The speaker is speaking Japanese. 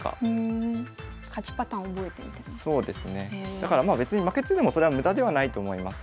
だからまあ負けててもそれは無駄ではないと思います。